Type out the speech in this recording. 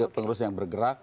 tiga pengurus yang bergerak